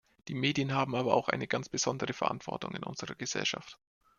Die Medien haben aber auch eine ganz besondere Verantwortung in unserer Gesellschaft.